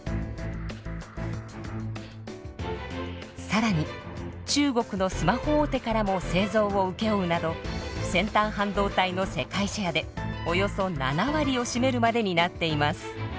更に中国のスマホ大手からも製造を請け負うなど先端半導体の世界シェアでおよそ７割を占めるまでになっています。